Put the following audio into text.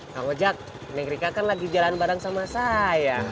kak ojak neng rika kan lagi jalan bareng sama saya